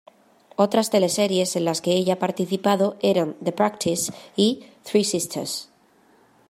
Otras teleseries en las que ella ha participado eran "The Practice" y "Three Sisters".